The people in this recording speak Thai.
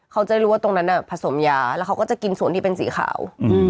เขาจะรู้ว่าตรงนั้นผสมยาแล้วเขาก็จะกินส่วนที่เป็นสีขาว